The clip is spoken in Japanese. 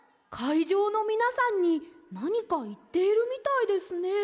いじょうのみなさんになにかいっているみたいですね。